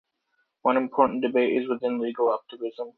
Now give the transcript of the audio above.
One important debate is within legal positivism.